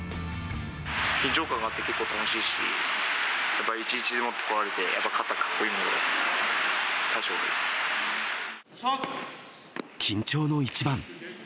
緊張感があって、結構楽しいし、やっぱ１・１で持ってこられて、勝ったらかっこいいので、大将が緊張の一番。